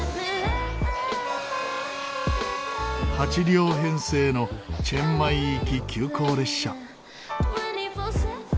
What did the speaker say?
８両編成のチェンマイ行き急行列車。